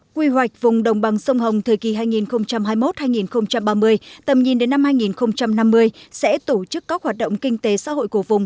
quy hoạch vùng đồng bằng sông hồng thời kỳ hai nghìn hai mươi một hai nghìn ba mươi tầm nhìn đến năm hai nghìn năm mươi sẽ tổ chức các hoạt động kinh tế xã hội của vùng